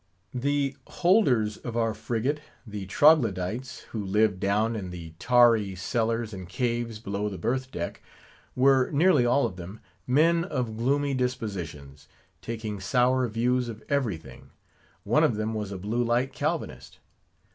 The Holders of our frigate, the Troglodytes, who lived down in the tarry cellars and caves below the berth deck, were, nearly all of them, men of gloomy dispositions, taking sour views of things; one of them was a blue light Calvinist.